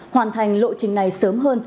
hoàn thành lộ trình này sớm hơn